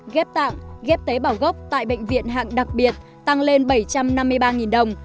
ghép tạng ghép tế bảo gốc tại bệnh viện hạng đặc biệt tăng lên bảy trăm năm mươi ba đồng